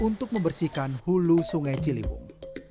untuk membersihkan hulu sungai ciliwung